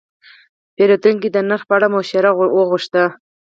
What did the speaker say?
پیرودونکی د نرخ په اړه مشوره وغوښته.